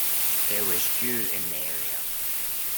There was dew in the area.